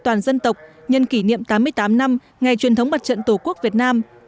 toàn dân tộc nhân kỷ niệm tám mươi tám năm ngày truyền thống mặt trận tổ quốc việt nam